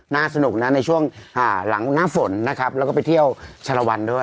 สนุกนะในช่วงหลังหน้าฝนนะครับแล้วก็ไปเที่ยวชาลวันด้วย